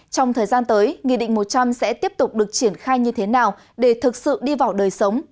trong thời gian tới nghị định một trăm linh sẽ tiếp tục được triển khai như thế nào để thực sự đi vào đời sống